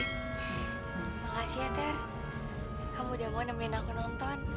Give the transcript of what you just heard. makasih ya ter kamu udah mau nemenin aku nonton